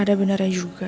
ada beneran juga